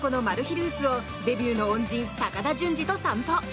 ルーツをデビューの恩人高田純次と散歩。